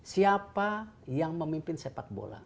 siapa yang memimpin sepak bola